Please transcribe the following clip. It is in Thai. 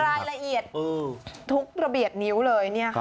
รายละเอียดทุกระเบียดนิ้วเลยเนี่ยค่ะ